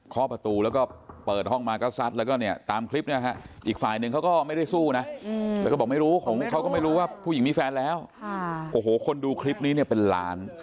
คล้อประตูแล้วก็เปิดห้องมาก็ซัดแล้วก็เนี่ยตามคลิปเนี่ยฮะ